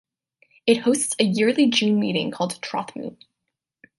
It hosts a yearly June meeting called Trothmoot.